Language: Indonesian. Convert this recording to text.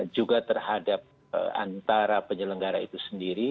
juga terhadap antara penyelenggara itu sendiri